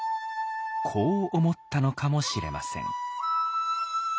こう思ったのかもしれません。